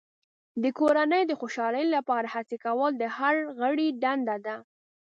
د کورنۍ د خوشحالۍ لپاره هڅې کول د هر غړي دنده ده.